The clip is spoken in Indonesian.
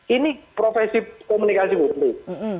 ini profesi komunikasi publik